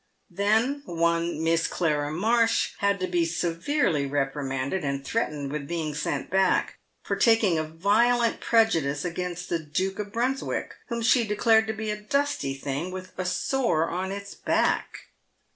Then one Miss Clara Marsh had to be severely reprimanded, and threatened with being sent back, for taking a violent prejudice against the Duke of Brunswick, whom she declared to be a dusty thing, with a sore on its back.